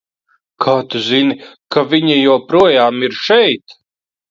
Kā tu zini, ka viņa joprojām ir šeit?